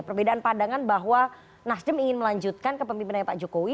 perbedaan pandangan bahwa nasdem ingin melanjutkan kepemimpinannya pak jokowi